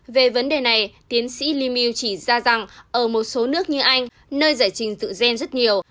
về vấn đề này tiến sĩ limil chỉ ra rằng ở một số nước như anh nơi giải trình tự gen rất nhiều